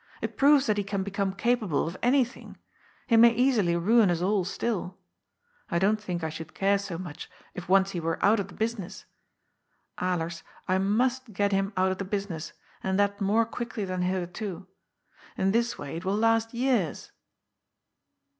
It proves that he can become capable of anything. He may easily ruin us all still. I don't think I should care so much if once he were out of the business. Alers, I must get him out of the business, and that more quickly than hitherto. In this way it will last years."